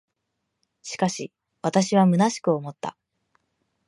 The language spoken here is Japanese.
しかし、私は虚しく思った。